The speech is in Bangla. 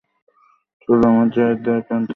চলো, আমরা জয়ের দ্বারপ্রান্তে রয়েছি!